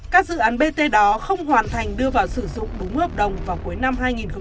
các dự án bt đó không hoàn thành đưa vào sử dụng đúng hợp đồng vào cuối năm hai nghìn một mươi bảy